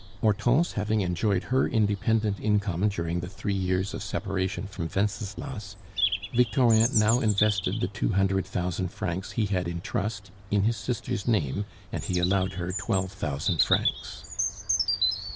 Hortense having enjoyed her independent income during the three years of separation from Wenceslas, Victorin now invested the two hundred thousand francs he had in trust, in his sister's name and he allowed her twelve thousand francs.